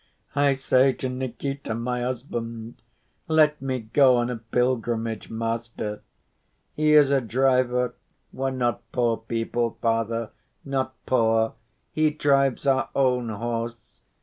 I say to Nikita, my husband, 'Let me go on a pilgrimage, master.' He is a driver. We're not poor people, Father, not poor; he drives our own horse.